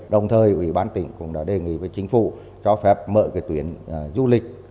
đồng thời ubnd cũng đã đề nghị với chính phủ cho phép mở tuyến du lịch